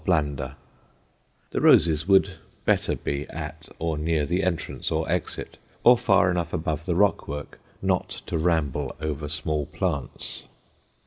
blanda_. The roses would better be at or near the entrance or exit, or far enough above the rock work not to ramble over small plants.